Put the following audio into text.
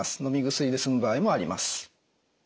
薬で済む場合もあります。